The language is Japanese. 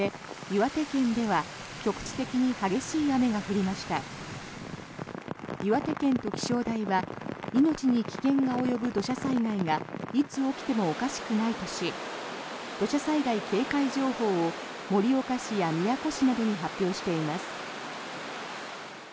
岩手県の気象台は命に危険が及ぶ土砂災害がいつ起きてもおかしくないとし土砂災害警戒情報を盛岡市や宮古市などに発表しています。